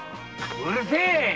うるせえ！